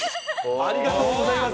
ありがとうございます。